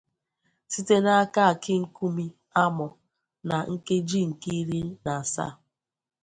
site n'aka Akinkunmi Amoo na nkeji nke iri na asaa